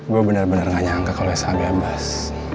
gue bener bener gak nyangka kalo yang sebebas